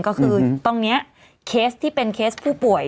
ก็คือตรงนี้เคสที่เป็นเคสผู้ป่วย